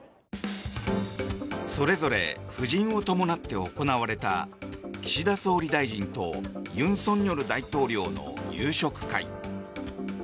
それぞれ夫人を伴って行われた岸田総理大臣と尹錫悦大統領の夕食会。